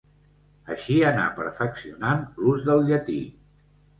Així anà perfeccionant l'ús del llatí.